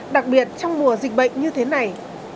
đặc biệt trong mùa dịch bệnh như thế này